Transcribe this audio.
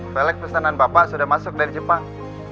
balik pesanan bapak sudah masuk dari jepang